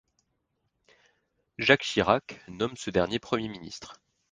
Jacques Chirac nomme ce dernier Premier ministre.